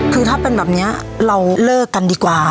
คือถ้าเป็นแบบนี้เราเลิกกันดีกว่า